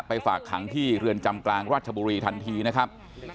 ฝากขังที่เรือนจำกลางราชบุรีทันทีนะครับ